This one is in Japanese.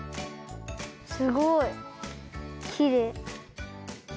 すごいきれい。